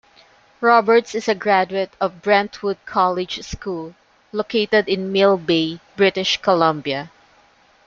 Roberts is a graduate of Brentwood College School, located in Mill Bay, British Columbia.